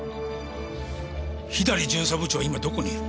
左巡査部長は今どこにいるんだ？